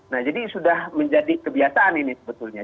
nah jadi sudah menjadi kebiasaan ini sebetulnya